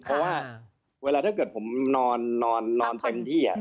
เพราะว่าเวลาถ้าเกิดผมนอนเต็มที่